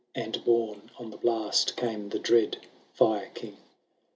And, borne on the blast, came the dread Fire King.